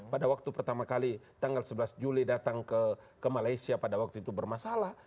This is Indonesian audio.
pada waktu pertama kali tanggal sebelas juli datang ke malaysia pada waktu itu bermasalah